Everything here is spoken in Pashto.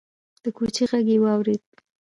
د کوچي غږ يې واورېد: